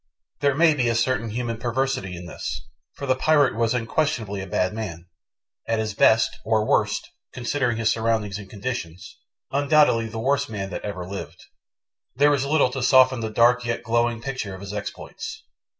There may be a certain human perversity in this, for the pirate was unquestionably a bad man at his best, or worst considering his surroundings and conditions, undoubtedly the worst man that ever lived. There is little to soften the dark yet glowing picture of his exploits.